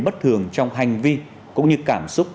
bất thường trong hành vi cũng như cảm xúc